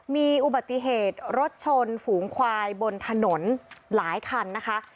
มีอุบัติเหตุรถชนฝูงควายบนถนนหลายคันนะคะ